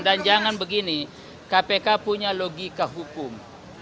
dan jangan begini kpk punya logika hukum